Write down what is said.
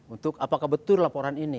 untuk apakah betul laporan ini